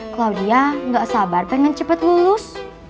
klaudia gak sabar pengen cepet lulus